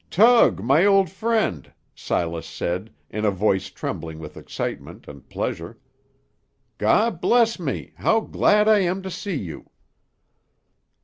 "Tug, my old friend!" Silas said, in a voice trembling with excitement and pleasure. "God bless me; how glad I am to see you!"